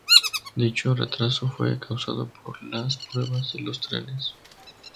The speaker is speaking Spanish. Dicho retraso fue causado por las pruebas de los trenes.